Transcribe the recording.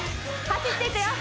走っていくよ